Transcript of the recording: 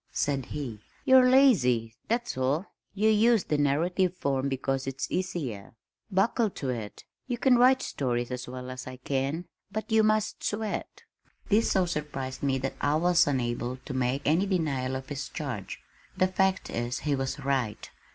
said he. "You're lazy, that's all. You use the narrative form because it's easier. Buckle to it you can write stories as well as I can but you must sweat!" This so surprised me that I was unable to make any denial of his charge. The fact is he was right.